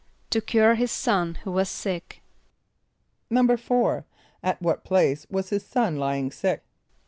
=To cure his son, who was sick.= =4.= At what place was his son lying sick?